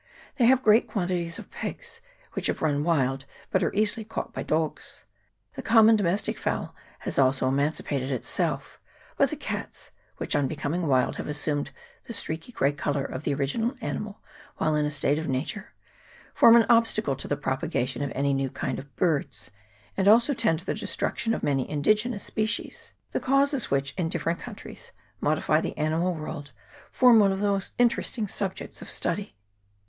They have great quantities of pigs, which have run wild, but are easily caught by dogs. The common domestic fowl has also emancipated itself ; but the cats, which, on becoming wild, have assumed the streaky grey colour of the original animal while in a state of nature, form a great obstacle to the propagation of any new kind of birds, and also tend to the destruction of many indigenous species. The causes which, in different countries, modify the ani mal world, form one of the most interesting subjects of study.